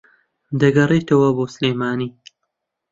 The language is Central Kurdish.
دەگەڕێتەوە بۆ سلێمانی